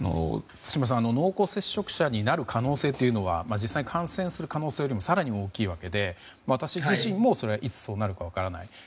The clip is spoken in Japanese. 津島さん、濃厚接触者になる可能性というのは実際に感染する可能性よりも更に大きいわけで私自身もいつ、そうなるか分からない。